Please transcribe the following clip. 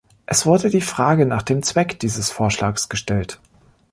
Es wurde die Frage nach dem Zweck dieses Vorschlags gestellt.